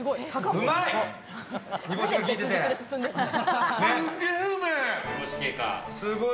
うまい！